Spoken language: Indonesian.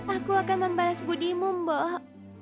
aku akan membalas budimu mbok